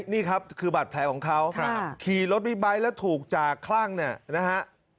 นี่ครับคือบาดแผลของเขาขี่รถบิ๊กไบท์แล้วถูกจากคลั่งเนี่ยนะฮะ